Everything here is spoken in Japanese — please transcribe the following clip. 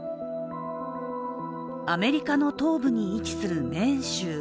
アメリカの東部に位置するメーン州。